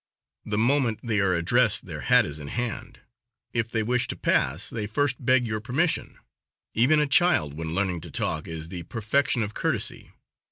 The moment they are addressed their hat is in hand. If they wish to pass they first beg your permission. Even a child when learning to talk is the perfection of courtesy.